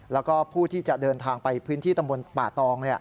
แล้วก็ผู้ที่จะเดินทางไปพื้นที่ตำบลป่าตอง